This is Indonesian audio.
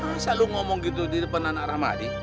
kenapa selalu ngomong gitu di depan anak rahmadi